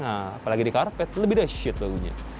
nah apalagi di karpet lebih deh shit baunya